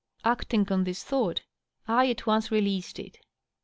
.• Acting on this thought, I at once released it.